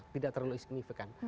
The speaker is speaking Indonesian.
tidak terlalu signifikan